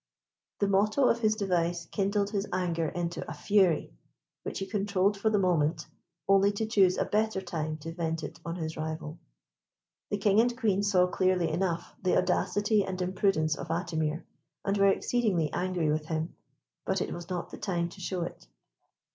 The motto of his device kindled his anger into a fury, which he controlled for the moment, only to choose a better time to vent it on his rival. The King and Queen saw clearly enough the audacity and imprudence of Atimir, and were exceedingly angry with him; but it was not the time to show it.